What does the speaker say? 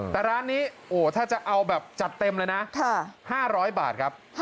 แต่ร้านนี้ถ้าจะเอาแบบจัดเต็มเลยนะ๕๐๐บาทครับ